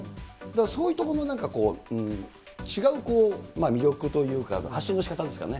そういうところも、なんかこう、違う魅力というか、発信のしかたですかね。